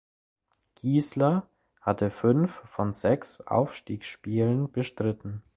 Gieseler hatte fünf von sechs Aufstiegsspielen bestritten.